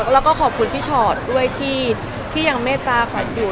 แล้วก็ขอบคุณพี่ชอตด้วยที่ยังเมตตาขวัญอยู่